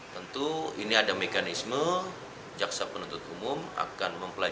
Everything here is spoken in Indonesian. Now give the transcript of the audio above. tentu ini ada mekanisme jaksa penuntut umum akan mempelai